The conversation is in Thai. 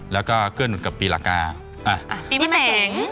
แล้วก็เคลื่อนหนึ่งกับปีหลักกาปีเมื่อเสร็ง